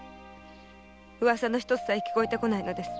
ウワサの一つさえ聞こえてこないのです。